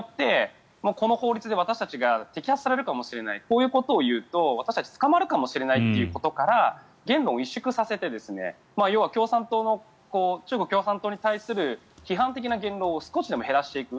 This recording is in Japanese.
この法律によって摘発されるかもしれないこういうことを言うと私たちは捕まるかもしれないということから言論を萎縮させて要は中国共産党に対する批判的な言論を少しでも減らしていく。